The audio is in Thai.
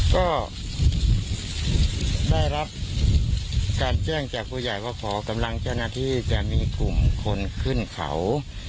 ก็ได้รับการแจ้งจากผู้ใหญ่ว่าขอกำลังเจ้าหน้าที่จะมีกลุ่มคนขึ้นเขา